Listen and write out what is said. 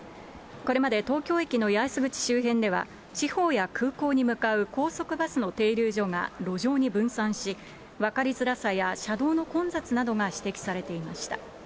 これまで東京駅の八重洲口周辺では、地方や空港に向かう高速バスの停留所が路上に分散し、分かりづらさや、車道の混雑などが指摘されていました。